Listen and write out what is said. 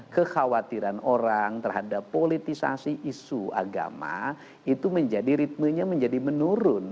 kekhawatiran orang terhadap politisasi isu agama itu menjadi ritmenya menjadi menurun